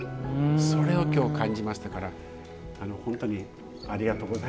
それをきょう感じましたから本当にありがとうございました。